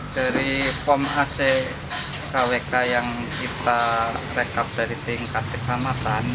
dari form ackwk yang kita rekap dari tingkat kecamatan